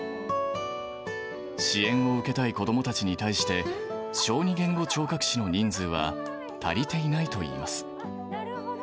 支援を受けたい子どもたちに対して、小児言語聴覚士の人数は足りていないといいます。